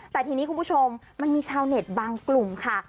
แต่ทีนี้คุณผู้ชมมันมีชาวเน็ตบางกลุ่มค่ะ